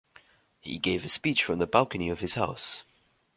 He gave a speech from the balcony of this house.